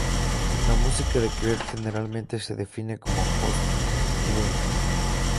La música de Creed, generalmente, se define como "post-grunge".